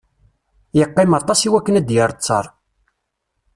Yeqqim aṭas iwakken ad d-yerr ttar.